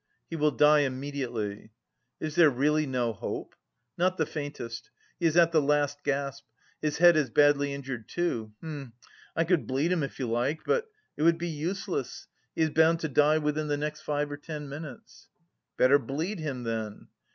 "He will die immediately." "Is there really no hope?" "Not the faintest! He is at the last gasp.... His head is badly injured, too... Hm... I could bleed him if you like, but... it would be useless. He is bound to die within the next five or ten minutes." "Better bleed him then."